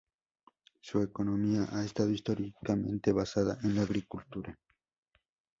Su economía ha estado históricamente basada en la agricultura.